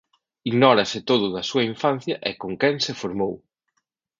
Ignórase todo da súa infancia e con quen se formou.